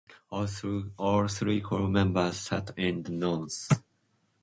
All three crew members sat in the nose.